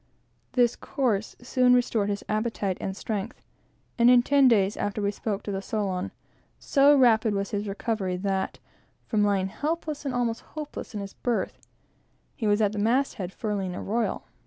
This course soon restored his appetite and strength; and in ten days after we spoke the Solon, so rapid was his recovery, that, from lying helpless and almost hopeless in his berth, he was at the mast head, furling a royal.